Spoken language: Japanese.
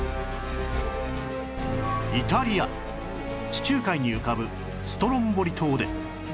イタリア地中海に浮かぶストロンボリ島で